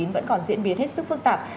vẫn còn diễn biến hết sức phức tạp